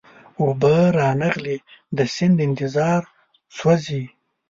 اوبه را نغلې د سیند انتظار سوزي